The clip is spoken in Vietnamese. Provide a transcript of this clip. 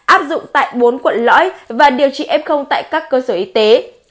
áp dụng tại bốn quận lõi và điều trị f tại các cơ sở y tế